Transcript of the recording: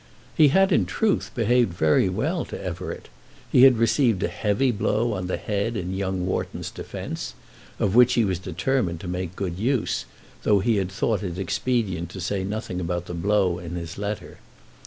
He had in truth behaved very well to Everett. He had received a heavy blow on the head in young Wharton's defence, of which he was determined to make good use, though he had thought it expedient to say nothing about the blow in his letter.